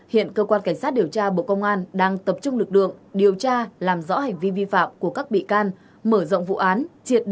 hiện cơ quan cảnh sát điều tra bộ công an đang tập trung lực lượng điều tra làm rõ hành vi vi phạm của các bị can mở rộng vụ án triệt để thu hồi tài sản hưởng lợi bất chính